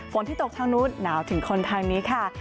ที่ตกทางนู้นหนาวถึงคนทางนี้ค่ะ